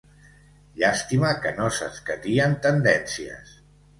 Llàstima que no s'escatien tendències.